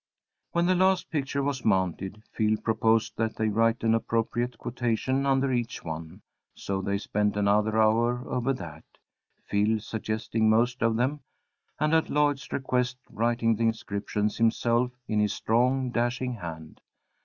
When the last picture was mounted, Phil proposed that they write an appropriate quotation under each one. So they spent another hour over that, Phil suggesting most of them, and at Lloyd's request writing the inscriptions himself in his strong, dashing hand.